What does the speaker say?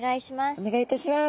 お願いいたします。